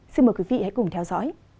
xin mời quý vị hãy cùng theo dõi